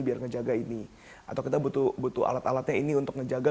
biar ngejaga ini atau kita butuh butuh alat alatnya ini untuk ngejaga